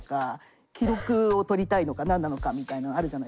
記録を取りたいのか何なのかみたいのあるじゃないですか。